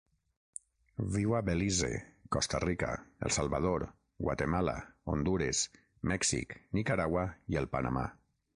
Viu a Belize, Costa Rica, El Salvador, Guatemala, Hondures, Mèxic, Nicaragua i el Panamà.